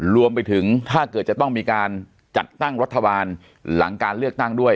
รวมไปถึงถ้าเกิดจะต้องมีการจัดตั้งรัฐบาลหลังการเลือกตั้งด้วย